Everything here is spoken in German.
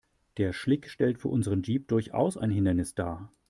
Der Schlick stellt für unseren Jeep durchaus ein Hindernis dar.